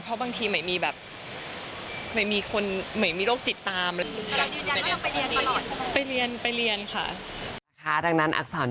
เพราะบางทีไม่มีแบบไม่มีคนไม่มีโรคจิตตาม